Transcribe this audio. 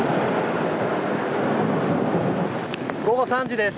午後３時です。